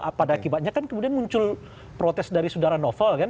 apa ada akibatnya kan kemudian muncul protes dari sudara novel kan